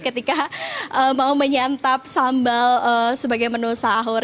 jadi kak mau menyantap sambal sebagai menu sahur